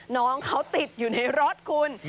น้องเขาติดอยู่ในรถคุณ